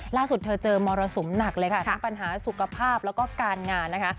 ล่าสุดเธอเจอมรสุมหนักเลยค่ะทั้งปัญหาสุขภาพแล้วก็การงานนะคะ